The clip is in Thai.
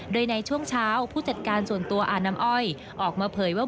โดยในช่วงเช้าผู้จัดการส่วนตัวอาน้ำอ้อยออกมาเผยว่า